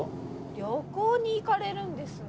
旅行に行かれるんですね。